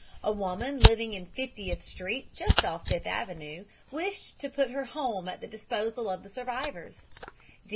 A woman living in Fiftieth Street just off Fifth Avenue wished to put her home at the disposal of the survivors.